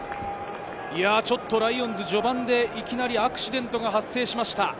ちょっとライオンズ、序盤でいきなりアクシデントが発生しました。